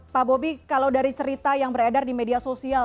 pak bobi kalau dari cerita yang beredar di media sosial